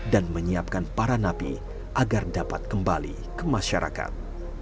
dan menyiapkan para napi agar dapat kembali ke masyarakat